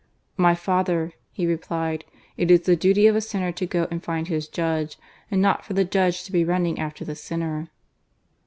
" My Father," he replied, " it is the duty of a sinner to go and find his judge, and not for the judge to be running after the sinner